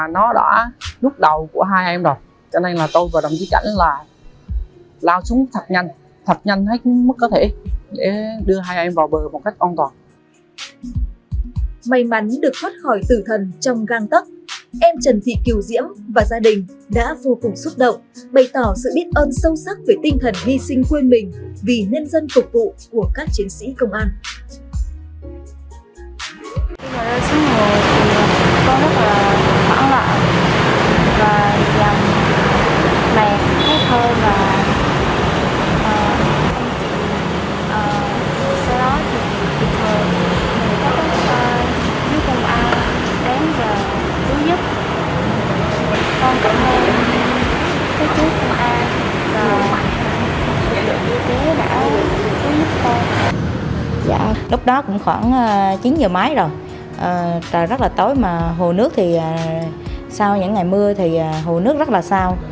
nó cũng khoảng chín giờ mái rồi rất là tối mà hồ nước thì sau những ngày mưa thì hồ nước rất là sao